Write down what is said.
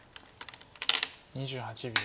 ２８秒。